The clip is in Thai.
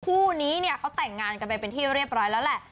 คู่นี้เนี่ยเขาแต่งงานกันไปเป็นที่เรียบร้อยแล้วแหละ